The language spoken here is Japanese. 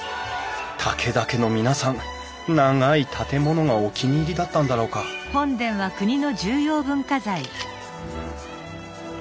武田家の皆さん長い建物がお気に入りだったんだろうかうん。